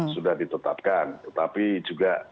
sudah ditetapkan tetapi juga